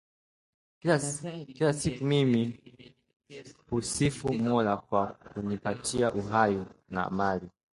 Kila siku mimi husifu Mola kwa kunipatia uhai na mali